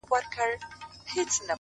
هره شېبه؛